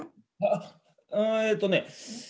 あっえっとね